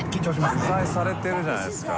取材されてるじゃないですか。